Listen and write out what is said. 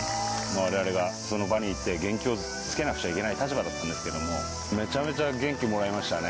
われわれがその場に行って、元気づけなくちゃいけない立場だったんですけども、めちゃめちゃ元気もらいましたね。